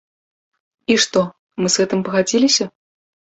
І што, мы з гэтым пагадзіліся?